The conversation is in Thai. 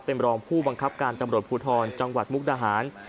เป็นรองผู้บังคับการตำรวจภูทรจังหวัดมุกดาหาร